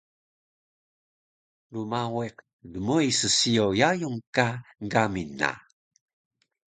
rmawiq dmoi ssiyo yayung ka gamil na